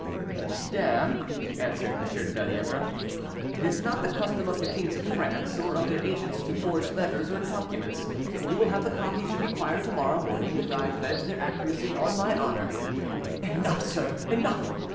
"Madam," answered M. de Bellievre, "it is not the custom of the kings of France, or of their agents, to forge letters or documents; you will have the copies you require to morrow morning, and I pledge their accuracy on my honour." "Enough, sir, enough!"